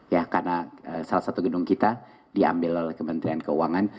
ya karena salah satu gedung kita diambil oleh kementerian keuangan